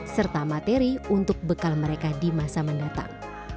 serta materi untuk bekal mereka di masa mendatang